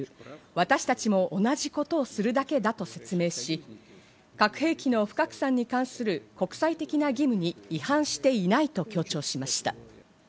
私たちも同じことをするだけだと説明し、核兵器の不拡散に関する国際的な義務に違反していないと強調しました。